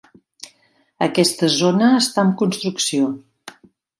Aquesta zona està en construcció.